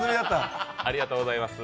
ありがとうございます。